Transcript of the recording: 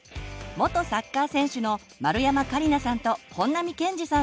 元サッカー選手の丸山桂里奈さんと本並健治さん